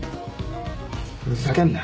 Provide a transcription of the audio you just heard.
ふざけんな。